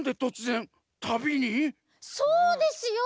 そうですよ！